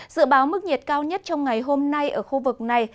dự báo mức nhiệt cao nhất trong ngày hôm nay ở khu vực này